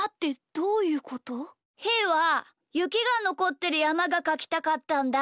ひーはゆきがのこってるやまがかきたかったんだ。